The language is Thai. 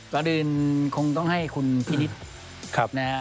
ตอนอื่นคงต้องให้คุณพินิษฐ์